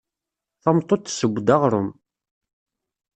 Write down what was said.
Tameṭṭut tessew-d aɣṛum.